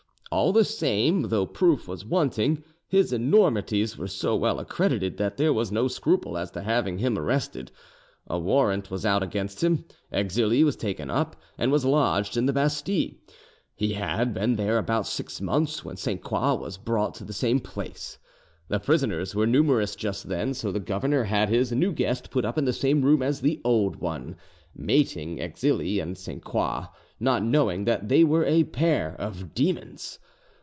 All the same, though proof was wanting, his enormities were so well accredited that there was no scruple as to having him arrested. A warrant was out against him: Exili was taken up, and was lodged in the Bastille. He had been there about six months when Sainte Croix was brought to the same place. The prisoners were numerous just then, so the governor had his new guest put up in the same room as the old one, mating Exili and Sainte Croix, not knowing that they were a pair of demons.